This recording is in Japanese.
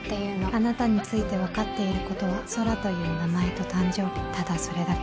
あなたについて分かっていることは空という名前と誕生日、ただそれだけ。